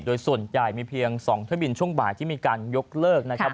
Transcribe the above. โดยส่วนใหญ่มีเพียง๒เที่ยวบินช่วงบ่ายที่มีการยกเลิกนะครับ